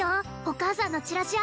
お母さんのチラシ